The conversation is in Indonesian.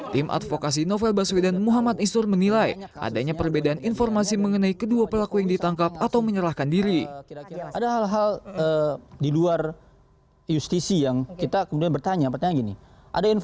tim advokasi novel baswedan muhammad istur menilai adanya perbedaan informasi mengenai kedua pelaku yang ditangkap atau menyerahkan diri